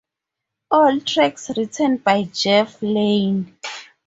All tracks written by Jeff Lynne.